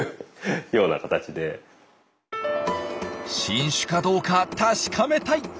新種かどうか確かめたい！